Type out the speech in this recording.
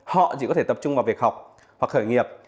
họ chỉ có thể tập trung vào việc học hoặc khởi nghiệp